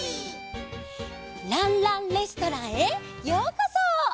「ランランレストラン」へようこそ！